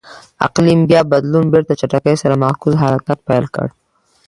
اقلیم بیا بدلون بېرته چټکۍ سره معکوس حرکت پیل کړ.